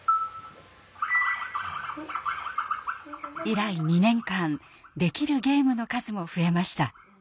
以来２年間できるゲームの数も増えました。